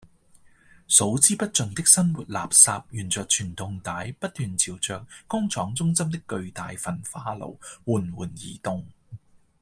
數之不盡的生活垃圾沿著傳動帶不斷朝著工廠中心的巨大焚化爐緩緩移動